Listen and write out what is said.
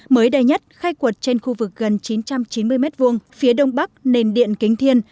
mới đây nhất khai quật trên khu vực gần chín trăm chín mươi m hai phía đông bắc nền điện kính thiên